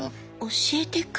教えてくれる？